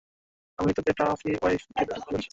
আমি তোকে trophy wife হিসেবে কল্পনা করেছি।